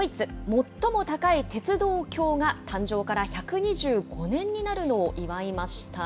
最も高い鉄道橋が、誕生から１２５年になるのを祝いました。